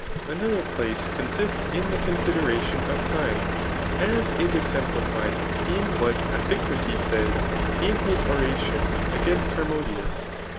Another place consists in the consideratioo 6f time; as is exemplified in what Iphicrates says in his era* tion against Harmodius.